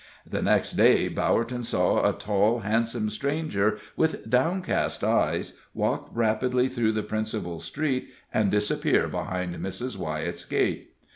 The next day Bowerton saw a tall, handsome stranger, with downcast eyes, walk rapidly through the principal street and disappear behind Mrs. Wyett's gate.